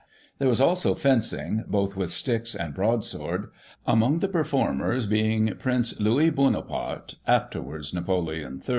There was also fencing, both with sticks and broadsword, among the performers being Prince Louis Bonaparte, afterwards Napoleon III.